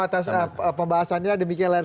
atas pembahasannya demikian layar